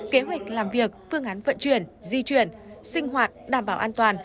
kế hoạch làm việc phương án vận chuyển di chuyển sinh hoạt đảm bảo an toàn